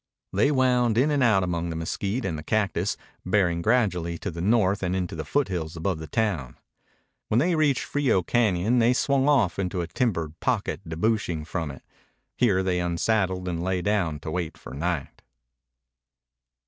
They wound in and out among the mesquite and the cactus, bearing gradually to the north and into the foothills above the town. When they reached Frio Cañon they swung off into a timbered pocket debouching from it. Here they unsaddled and lay down to wait for night.